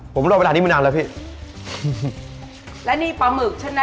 ผมรอเวลานี้มือนานแล้วพี่แล้วนี่ปลาหมึกฉันน่ะ